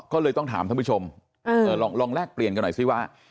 ก็เลยต้องถามท่านผู้ชมลองแลกเปลี่ยนกันหน่อยสิว่า